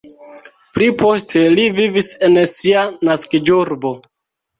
Pli poste li vivis en sia naskiĝurbo.